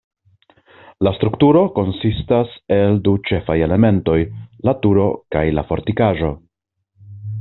La strukturo konsistas el du ĉefaj elementoj: la turo kaj la fortikaĵo.